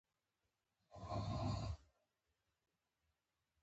صداقت د زړورتیا له زړه راټوکېږي.